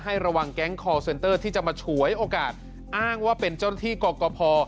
ระวังแก๊งคอร์เซ็นเตอร์ที่จะมาฉวยโอกาสอ้างว่าเป็นเจ้าหน้าที่กรกภ